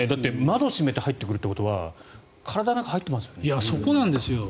窓閉めて入ってくるということは体に入ってますよね。